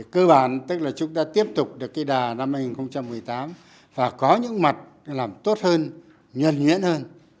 cơ bản tức là chúng ta tiếp tục được cái đà năm hai nghìn một mươi tám và có những mặt làm tốt hơn nhuận nhuễn hơn